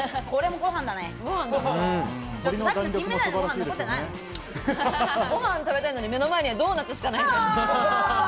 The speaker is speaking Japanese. ご飯食べたいのに、目の前にはドーナツしかない。